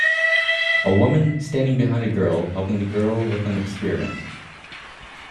A woman standing behind a girl helping the girl with an experiment